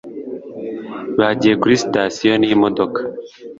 bagiye kuri sitasiyo n'imodoka